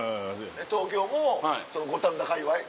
東京も五反田かいわい？